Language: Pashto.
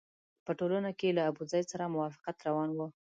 په ټولنه کې له ابوزید سره موافقت روان وو.